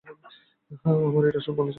হ্যাঁ, আমরা এটা নিয়ে আলোচনা করেছি।